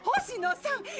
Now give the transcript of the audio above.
星野さん